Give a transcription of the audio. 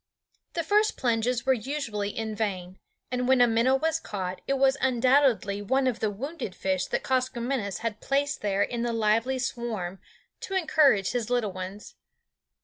The first plunges were usually in vain, and when a minnow was caught it was undoubtedly one of the wounded fish that Koskomenos had placed there in the lively swarm to encourage his little ones.